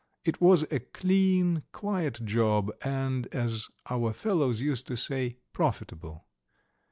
It was a clean, quiet job, and, as our fellows used to say, profitable.